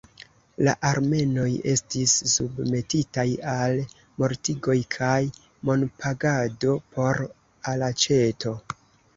La armenoj estis submetitaj al mortigoj kaj monpagado por elaĉeto.